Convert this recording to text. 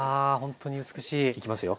いきますよ。